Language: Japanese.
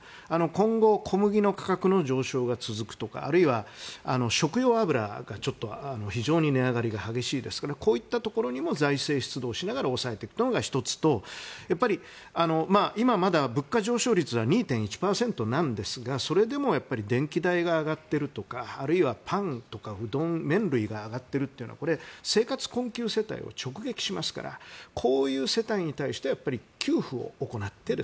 今後、小麦の価格の上昇が続くとかあるいは、食用油が非常に値上がりが激しいですからこういったところにも財政出動しながら抑えていくことが１つと今まだ物価上昇率は２．１％なんですがそれでも電気代が上がっているとかパンやうどん、麺類が上がっているというのはこれは生活困窮世帯を直撃しますからこういう世帯に対して給付を行っている。